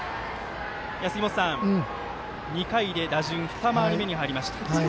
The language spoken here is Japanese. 杉本さん、２回で打順２回り目に入りました。